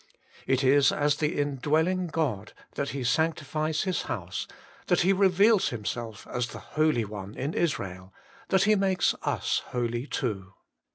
It is as the indwelling God that He sanctifies His house, that He reveals Himself as the Holy One in Israel, that He makes us holy too.